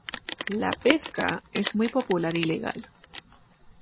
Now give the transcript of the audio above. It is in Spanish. La pesca es muy popular y legal.